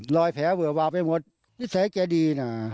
ลอยแผลเวลาาไปหมดนิสัยแก่ดีน่ะ